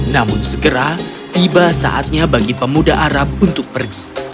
namun segera tiba saatnya bagi pemuda arab untuk pergi